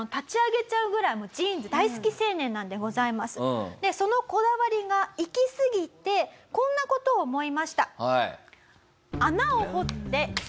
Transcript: ジーンズのそのこだわりがいきすぎてこんな事を思いました。